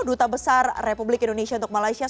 duta besar republik indonesia untuk malaysia